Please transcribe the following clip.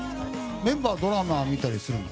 メンバーはドラマを見たりするの？